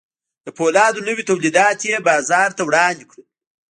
د پولادو نوي تولیدات یې بازار ته وړاندې کړل